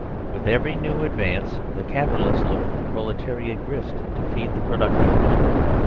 With every new advance the capitalist looked for proletariat grist to feed the productive mill.